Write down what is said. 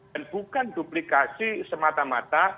dan bukan duplikasi semata mata